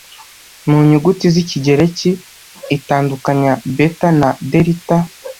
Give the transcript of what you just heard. Mu nyuguti z'ikigereki, itandukanya beta na delita